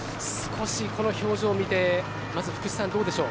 この表情みてまず福士さん、どうでしょう。